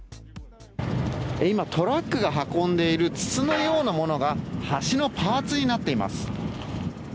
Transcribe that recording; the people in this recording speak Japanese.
今、トラックが運んでいる筒のようなものが橋のパーツになっています。